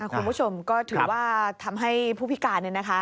คุณผู้ชมก็ถือว่าทำให้ผู้พิการ